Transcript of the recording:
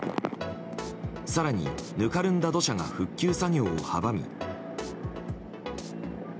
更に、ぬかるんだ土砂が復旧作業を阻み。